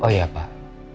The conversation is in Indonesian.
oh ya pak